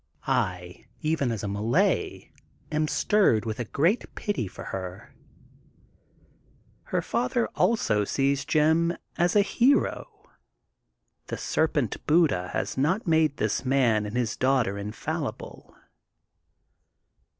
I, even as a Malay, am stirred with a great pity for her. Her father, also, sees Jim as a hero. The serpent Buddha has not made this man and his daughter infallible.